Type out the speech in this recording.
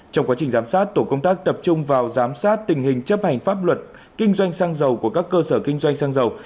trong quá trình giám sát tổ công tác tập trung vào giám sát tình hình chấp hành pháp luật kinh doanh xăng dầu của các cơ sở kinh doanh xăng dầu